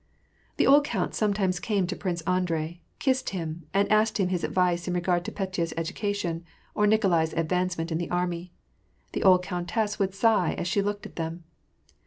The old count sometimes came to Prince Andrei, kissed him, and asked him his advice in regard to Petya's education, or Nikolai's advancement in the army. The old countess would sigh, as she looked at them.